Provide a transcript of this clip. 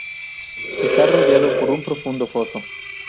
Está rodeado por un profundo foso.